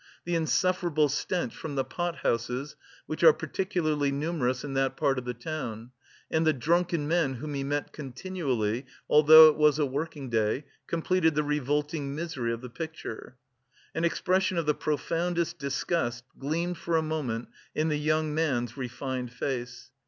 The insufferable stench from the pot houses, which are particularly numerous in that part of the town, and the drunken men whom he met continually, although it was a working day, completed the revolting misery of the picture. An expression of the profoundest disgust gleamed for a moment in the young man's refined face.